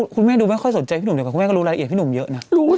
คุณแม่ดูไม่ค่อยสนใจพี่หนุ่มเหลือว่าตั้งแต่รู้ละละเอียดพี่หนุ่มเยอะ